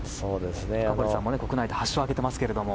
深堀さんも国内で８勝を挙げていますが。